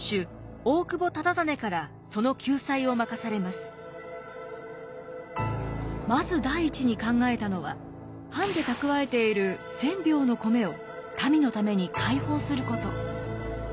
尊徳はまず第一に考えたのは藩で蓄えている１，０００俵の米を民のために開放すること。